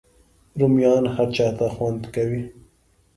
رومیان هر چاته خوند کوي